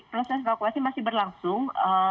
proses evakuasi masih berlangsung